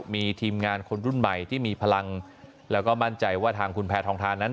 มีทีมงานคนรุ่นใหม่ที่มีพลังแล้วก็มั่นใจว่าทางคุณแพทองทานนั้น